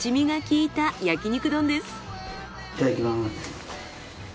いただきます。